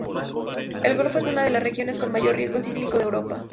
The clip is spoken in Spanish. El golfo es una de las regiones con mayor riesgo sísmico de Europa.